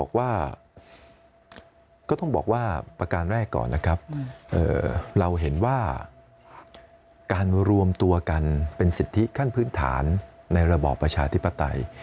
ก็ต้องบอกว่าประการแรกก่อนนะครับเราเห็นว่าการรวมตัวกันเป็นสิทธิขั้นพื้นฐานในระบอบประชาธิปไตย